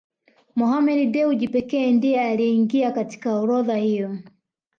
Mohammed Dewji pekee ndiye aliyeingia katika orodha hiyo